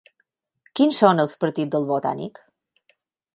Quins són els partits del Botànic?